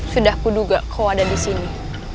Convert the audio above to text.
sudah kuduga kau ada di sini